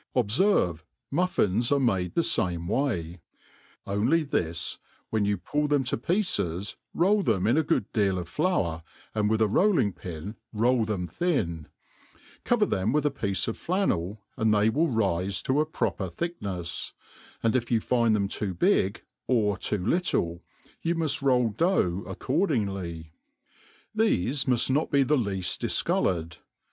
Obferve, muffins are made the fame way; only this, whep you pull them to pieces roll them in a good deal of flour, and with a rolling pin roll them thin, cover tbem yith a piece of flannel, and they will rife to a proper thicknefs ; and if you find them too big or too little, you muft roll d'ough accordingly. Tbefe muft not be theleail difcoloured.